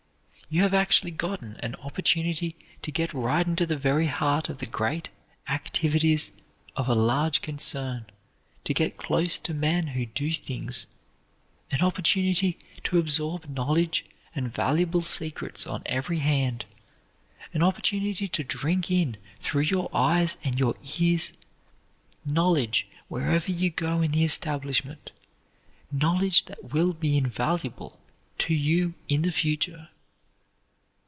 You have actually gotten an opportunity to get right into the very heart of the great activities of a large concern, to get close to men who do things; an opportunity to absorb knowledge and valuable secrets on every hand; an opportunity to drink in, through your eyes and your ears, knowledge wherever you go in the establishment, knowledge that will be invaluable to you in the future.